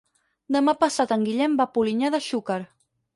Demà passat en Guillem va a Polinyà de Xúquer.